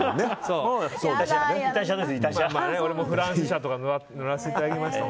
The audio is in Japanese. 俺もフランス車とか乗らせていただきました。